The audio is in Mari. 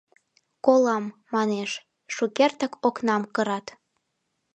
«Колам, — манеш, — шукертак окнам кырат.